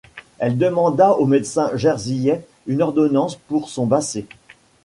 Il demanda au médecin jersiais une ordonnance pour son basset.